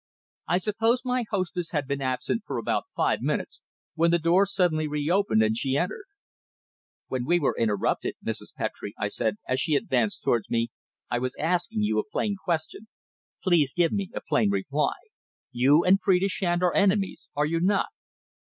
I suppose my hostess had been absent for about five minutes when the door suddenly re opened, and she entered. "When we were interrupted, Mrs. Petre," I said, as she advanced towards me, "I was asking you a plain question. Please give me a plain reply. You and Phrida Shand are enemies, are you not?"